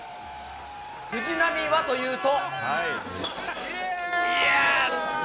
藤浪はというと。